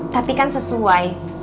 tapi kan sesuai